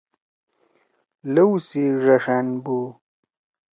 لؤ سی ڙشأن بُ